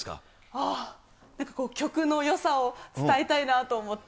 ああ、よくこう、曲のよさを伝えたいなと思って。